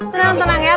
tenang tenang ya